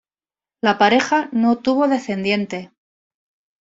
La pareja no tuvo descendientes.